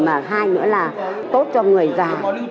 mà hai nữa là tốt cho người già